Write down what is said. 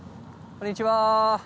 こんにちは。